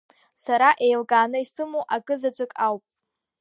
Сара еилкааны исымоу акы заҵәык ауп…